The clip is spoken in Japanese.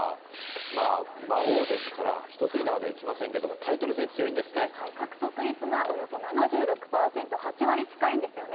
魔王ですから、一筋縄ではいきませんから、タイトル戦、強いんで獲得率がおよそ７６％、８割近いんですよね。